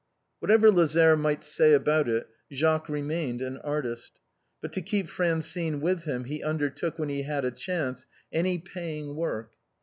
Whatever Lazare might say about it, Jacques remained an artist. But to keep Francine with him he undertook, when he had a chance, any paying work.